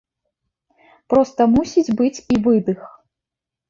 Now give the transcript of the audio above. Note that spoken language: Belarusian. Проста мусіць быць і выдых.